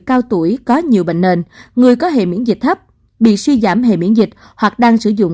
cao tuổi có nhiều bệnh nền người có hệ miễn dịch thấp bị suy giảm hệ miễn dịch hoặc đang sử dụng